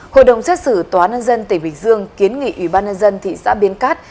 hội đồng xét xử tòa nhân dân tỉnh bình dương kiến nghị ủy ban nhân dân thị xã biên cát